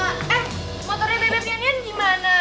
eh motornya bebeknya ian gimana